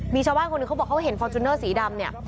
มีชาวบ้านคนหนึ่งเขาบอกเขาเห็นฟอร์จูเนอร์สีดำเนี่ย